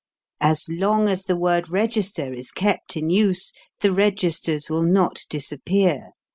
As long as the word "register" is kept in use, the registers will not disappear.